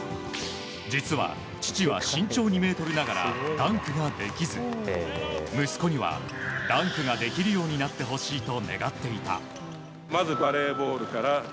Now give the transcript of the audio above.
実は父は身長２ｍながらダンクができず息子には、ダンクができるようになってほしいとまずバレーボールから。